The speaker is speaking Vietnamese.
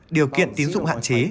điều kiện tiến dụng hạn chế